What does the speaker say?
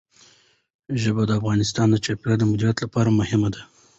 ژبې د افغانستان د چاپیریال د مدیریت لپاره مهم دي.